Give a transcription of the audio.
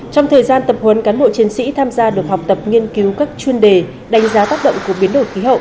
trong thời gian tập huấn cán bộ chiến sĩ tham gia được học tập nghiên cứu các chuyên đề đánh giá tác động của biến đổi khí hậu